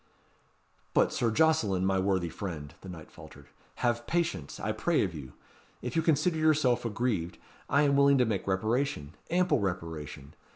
"But Sir Jocelyn, my worthy friend," the knight faltered, "have patience, I pray of you. If you consider yourself aggrieved, I am willing to make reparation ample reparation.